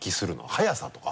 速さとか？